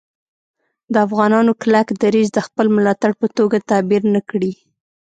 د افغانانو کلک دریځ د خپل ملاتړ په توګه تعبیر نه کړي